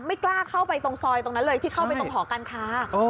ไม่กล้าเข้าไปตรงซอยตรงนั้นเลยที่เข้าไปตรงหอการค้า